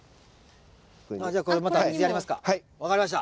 じゃあこれまた水やりますか。